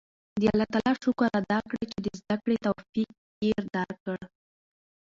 د الله تعالی شکر ادا کړئ چې د زده کړې توفیق یې درکړ.